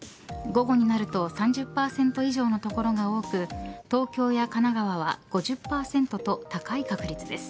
午後になると３０％以上の所が多く東京や神奈川は５０％と高い確率です。